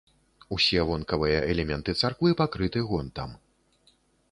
Усе вонкавыя элементы царквы пакрыты гонтам.